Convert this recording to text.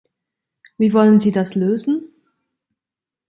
Wie wollen Sie das lösen?